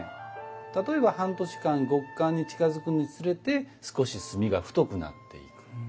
例えば半年間極寒に近づくにつれて少し炭が太くなっていく。